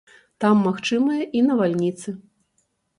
Там магчымыя і навальніцы.